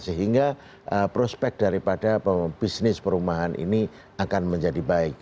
sehingga prospek daripada bisnis perumahan ini akan menjadi baik